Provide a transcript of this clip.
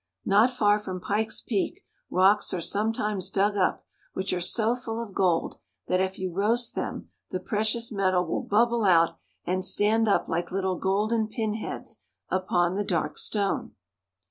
Not far from Pikes Peak, rocks are sometimes dug up which are so full of gold that if you roast them the precious metal will bubble out and stand up like little golden pin heads upon the dark stone.